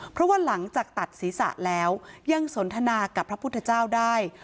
เพราะว่าหลังจากตัดศีรษะแล้วยังสนทนากับพระพุทธเจ้าได้